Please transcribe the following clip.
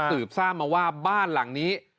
สืบทราบมาว่าบ้านหลังนี้